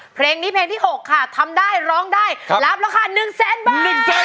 เพลงนี้เพลงที่๖ค่ะทำได้ร้องได้รับราคา๑แสนบาท